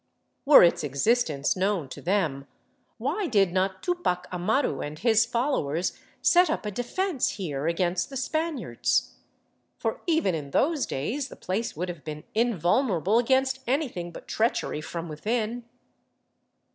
Were its existence known to them, why did not Tupac Amaru and his followers set up a defence here against the Spaniards ? For even in those days the place would have been invulnerable against anything but treachery from within.